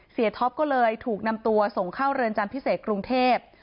ท็อปก็เลยถูกนำตัวส่งเข้าเรือนจำพิเศษกรุงเทพ